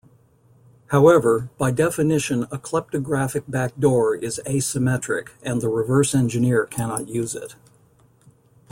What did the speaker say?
However, by definition a kleptographic backdoor is asymmetric and the reverse-engineer cannot use it.